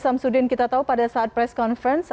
samsudin kita tahu pada saat press conference